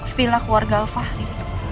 vila keluarga alfahri